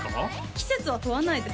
季節は問わないです